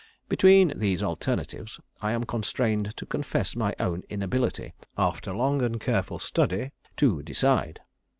"Between these alternatives I am constrained to confess my own inability, after long and careful study, to decide.